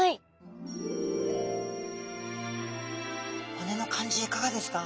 骨の感じいかがですか？